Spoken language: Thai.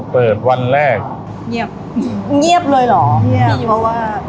เปิดวันแรกเงียบเงียบเลยเหรอเงียบเพราะว่า